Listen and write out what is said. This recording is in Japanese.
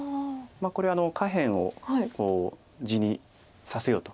これは下辺を地にさせようと。